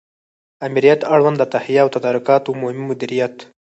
آمریت اړوند د تهیه او تدارکاتو عمومي مدیریت